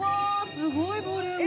すごいボリューム。